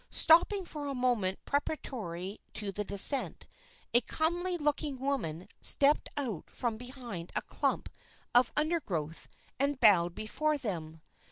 Stopping for a moment preparatory to the descent, a comely looking woman stepped out from behind a clump of undergrowth and bowed before them.